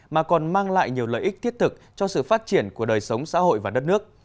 mà còn mang lại nhiều lợi ích thiết thực cho sự phát triển của đời sống xã hội và đất nước